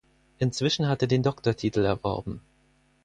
Inzwischen hat er den Doktortitel erworben.